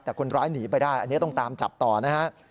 แต่คนร้ายหนีไปได้อันนี้ต้องตามจับต่อนะฮะ